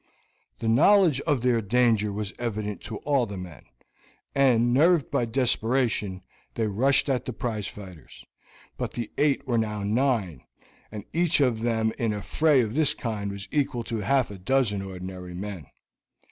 The knowledge of their danger was evident to all the men, and, nerved by desperation, they rushed at the prize fighters; but the eight were now nine, and each of them in a fray of this kind was equal to half a dozen ordinary men.